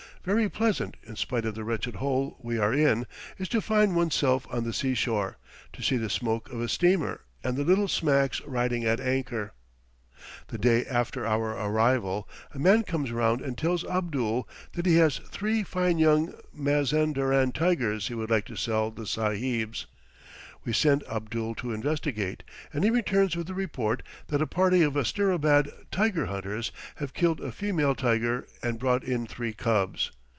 Very pleasant, in spite of the wretched hole we are in, is it to find one's self on the seashore to see the smoke of a steamer, and the little smacks riding at anchor. The day after our arrival, a man comes round and tells Abdul that he has three fine young Mazanderan tigers he would like to sell the Sahibs. We send Abdul to investigate, and he returns with the report that a party of Asterabad tiger hunters have killed a female tiger and brought in three cubs.